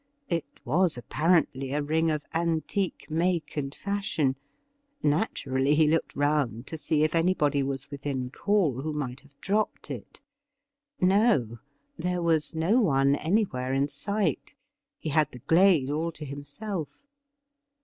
It was apparently a ring of antique make and fashion. Naturally he looked round to see if anybody was within call who might have dropped it. No, there was no one anywhere in sight ; he had the glade all to him self.